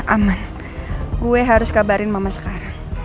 aman gue harus kabarin mama sekarang